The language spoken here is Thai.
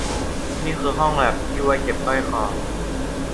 นี่คือห้องแลปที่ไว้เก็บสร้อยคอ